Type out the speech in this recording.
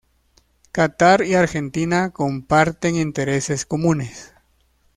Catar y Argentina comparten intereses comunes.